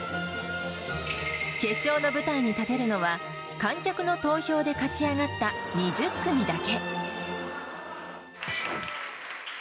決勝の舞台に立てるのは、観客の投票で勝ち上がった２０組だけ。